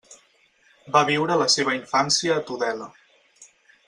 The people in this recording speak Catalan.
Va viure la seva infància a Tudela.